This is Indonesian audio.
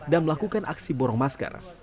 dan melakukan aksi borong masker